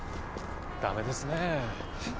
ダメですねえっ